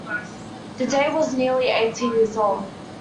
The date was nearly eighteen years old.